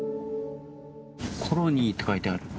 コロニーって書いてある。